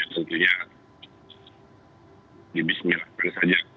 yang pentingnya di bismillahirrahmanirrahim saja